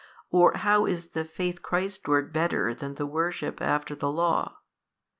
or how is the faith Christ ward better than the worship after the Law?